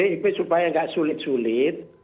saya kira babd itu supaya tidak sulit sulit